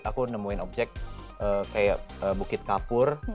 aku nemuin objek kayak bukit kapur